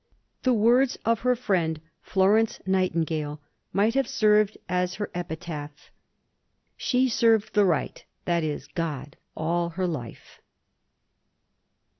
The words of her friend, Florence Nightingale, might have served as her epitaph—"She served the Right, that is, God, all her life."